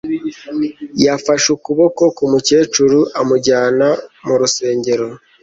Yafashe ukuboko kumukecuru amujyana mu rusengero